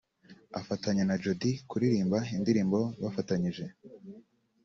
afatanya na Jody kuririmba indirimbo bafatanyije